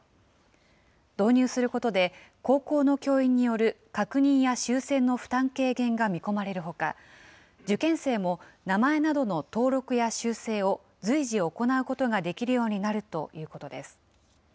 導入することで高校の教員による確認や修正の負担軽減が見込まれるほか、受験生も名前などの登録や修正を随時、行うことができるようになるということです。